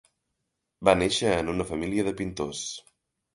Va néixer en una família de pintors.